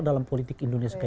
dalam politik indonesia